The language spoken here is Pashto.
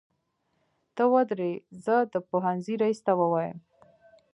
ته ودرې زه د پوهنځۍ ريس ته وويمه.